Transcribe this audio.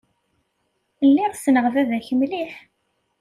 Lliɣ ssneɣ baba-k mliḥ.